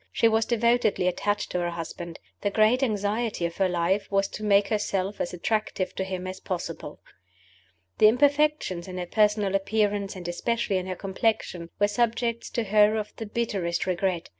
She was devotedly attached to her husband; the great anxiety of her life was to make herself as attractive to him as possible. The imperfections in her personal appearance and especially in her complexion were subjects to her of the bitterest regret.